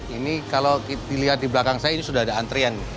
ini kalau dilihat di belakang saya ini sudah ada antrian